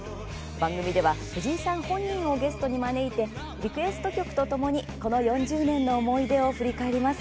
番組では藤井さん本人をゲストに招いてリクエスト曲とともに、この４０年の思い出を振り返ります。